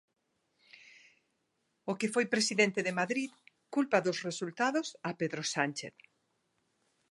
O que foi presidente de Madrid culpa dos resultados a Pedro Sánchez.